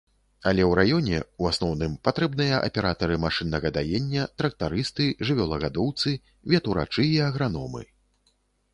Але ў раёне, у асноўным, патрэбныя аператары машыннага даення, трактарысты, жывёлагадоўцы, ветурачы і аграномы.